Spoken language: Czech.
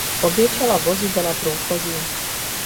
Obě čela vozu byla průchozí.